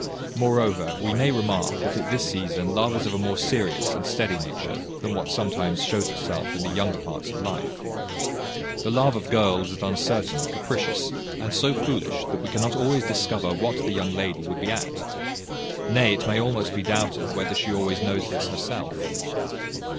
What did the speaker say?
Moreover, we may remark that at this season love is of a more serious and steady nature than what sometimes shows itself in the younger parts of life. The love of girls is uncertain, capricious, and so foolish that we cannot always discover what the young lady would be at; nay, it may almost be doubted whether she always knows this herself.